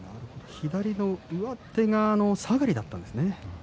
左の上手が下がりだったんですね。